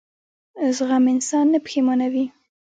زغم انسان نه پښېمانوي.